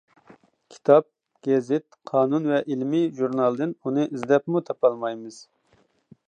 كىتاب، گېزىت، قانۇن ۋە ئىلمىي ژۇرنالدىن ئۇنى ئىزدەپمۇ تاپالمايمىز.